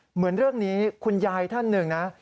เหมือนเรื่องนี้คุณยายท่านหนึ่งนะ